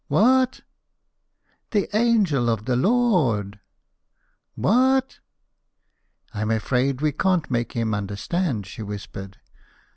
"Wha a a t?" "The angel of the Lo o ord!" "Wha a a t?" "I'm afraid we can't make him understand," she whispered.